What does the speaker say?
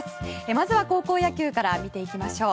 まずは高校野球から見ていきましょう。